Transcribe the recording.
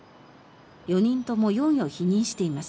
４人とも容疑を否認しています。